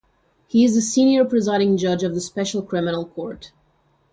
He is the senior presiding judge of the Special Criminal Court.